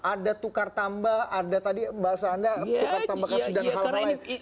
ada tukar tambah ada tadi bahasa anda tukar tambah kasih dan hal lain